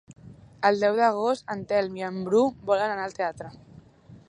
El deu d'agost en Telm i en Bru volen anar al teatre.